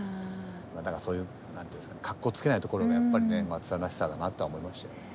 だからそういうかっこつけないところがやっぱりねマツさんらしさだなとは思いましたよね。